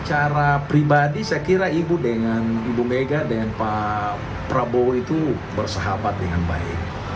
secara pribadi saya kira ibu dengan ibu mega dengan pak prabowo itu bersahabat dengan baik